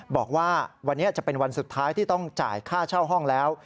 บอกว่าวันนี้จะเป็นวันสุดท้ายที่ต้องจ่ายค่าเช่าห้องแล้ว